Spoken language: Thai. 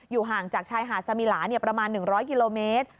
ห่างจากชายหาดสมิลาประมาณ๑๐๐กิโลเมตร